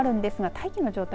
大気の状態